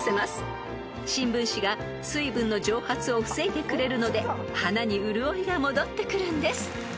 ［新聞紙が水分の蒸発を防いでくれるので花に潤いが戻ってくるんです］